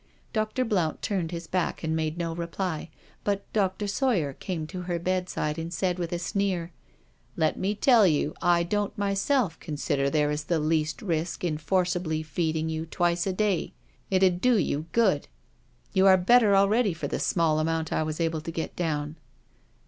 Dr. Blount turned his back and made no reply, but Dr. Sawyer came to her bedside and said with a sneer: " Let me tell you I don't myself consider there is the least risk in forcibly feeding you twice a day. It'ud do you good I You are better already for die small amount I was able to get down."